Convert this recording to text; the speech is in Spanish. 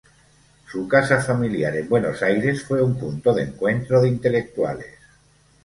Su casa familiar en Buenos Aires fue un punto de encuentro de intelectuales.